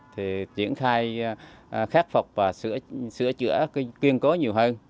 thì triển khai khát phục và sửa chữa quyên cố nhiều hơn